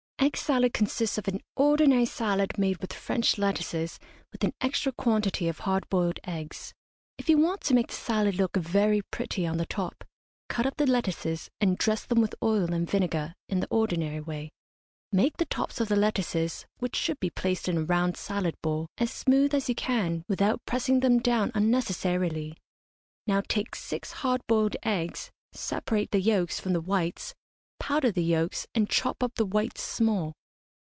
Egg salad consists of an ordinary salad made with French lettuces, with an extra quantity of hard boiled eggs. If you want to make the salad look very pretty on the top, cut up the lettuces and dress them with oil and vinegar in the ordinary way. Make the tops of the lettuces (which should be placed in a round salad bowl) as smooth as you can without pressing them down unnecessarily. Now take six hard boiled eggs, separate the yolks from the whites, powder the yolks, and chop up the whites small.